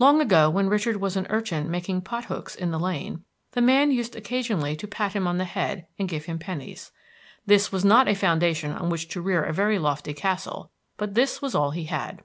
Long ago, when Richard was an urchin making pot hooks in the lane, the man used occasionally to pat him on the head and give him pennies. This was not a foundation on which to rear a very lofty castle; but this was all he had.